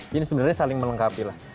jadi sebenarnya saling melengkapi lah